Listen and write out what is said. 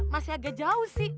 masih agak jauh sih